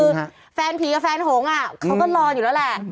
คือแฟนผีกับแฟนหงเขาก็รออยู่แล้วแหละ